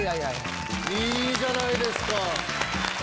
いいじゃないですか！